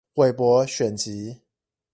韋伯選集